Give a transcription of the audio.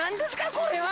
これは！？